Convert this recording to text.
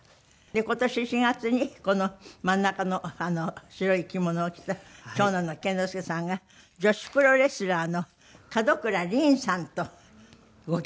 今年４月にこの真ん中の白い着物を着た長男の健之介さんが女子プロレスラーの門倉凛さんとご結婚と２９歳。